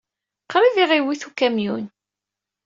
Qrib ay aɣ-iwit ukamyun.